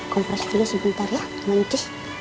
kompres dulu sebentar ya mami ci